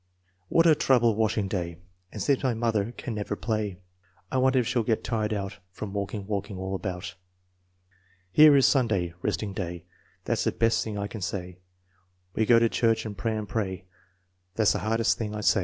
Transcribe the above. What a trouble washing day; It seems my mother can never play. I wonder if she'll get tired out From walking, walking all about. Here is Sunday, resting day; That's the best tiring I can say. We go to church and pray and pray, That's the hardest thing I say.